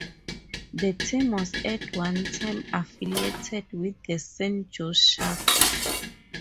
The team was at one time affiliated with the San Jose Sharks.